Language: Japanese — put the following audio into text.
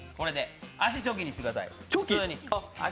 足はチョキにしてください。